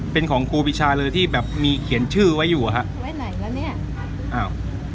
เป็นของครูปีชาเลยที่แบบมีเขียนชื่อไว้อยู่อ่ะฮะไว้ไหนแล้วเนี่ยอ้าว